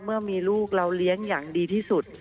เมื่อมีลูกเราเลี้ยงอย่างดีที่สุด